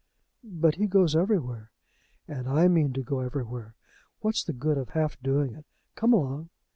"But he goes everywhere." "And I mean to go everywhere. What's the good of half doing it? Come along."